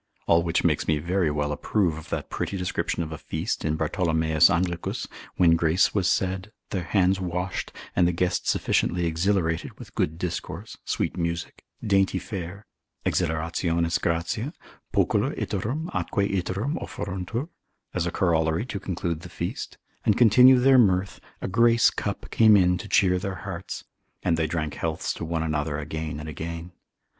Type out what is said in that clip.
All which makes me very well approve of that pretty description of a feast in Bartholomeus Anglicus, when grace was said, their hands washed, and the guests sufficiently exhilarated, with good discourse, sweet music, dainty fare, exhilarationis gratia, pocula iterum atque iterum offeruntur, as a corollary to conclude the feast, and continue their mirth, a grace cup came in to cheer their hearts, and they drank healths to one another again and again.